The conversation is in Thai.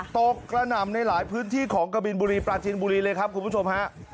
กระหน่ำในหลายพื้นที่ของกะบินบุรีปลาจินบุรีเลยครับคุณผู้ชมฮะ